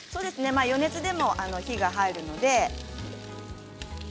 余熱でも火が入るので。